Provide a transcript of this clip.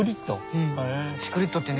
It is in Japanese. うん。